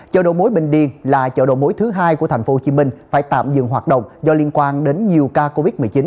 chợ đầu mối bình điên là chợ đầu mối thứ hai của thành phố hồ chí minh phải tạm dừng hoạt động do liên quan đến nhiều ca covid một mươi chín